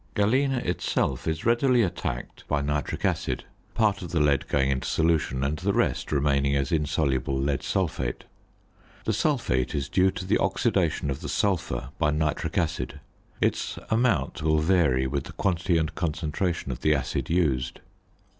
Galena itself is readily attacked by nitric acid, part of the lead going into solution, and the rest remaining as insoluble lead sulphate. The sulphate is due to the oxidation of the sulphur by nitric acid; its amount will vary with the quantity and concentration of the acid used.